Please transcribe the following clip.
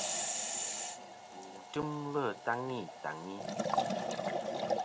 Wu tɨmlɨ taŋi taŋi.